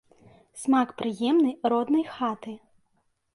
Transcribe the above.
Смак прыемны роднай хаты.